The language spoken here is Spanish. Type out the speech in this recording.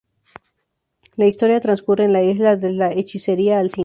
La historia transcurre en la isla de la hechicera Alcina.